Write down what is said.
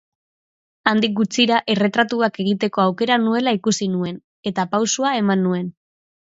Handik gutxira erretratuak egiteko aukera nuela ikusi nuen, eta pausoa eman nuen.